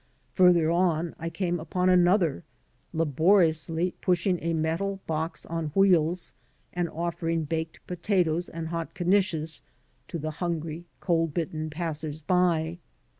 Farther on I came 'Upon another, laboriously pushing a metal box on wheels and offering baked potatoes and hot knishes to the hungry, cold bitten passers by.